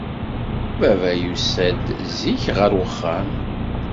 Baba yusa-d zik ɣer uxxam.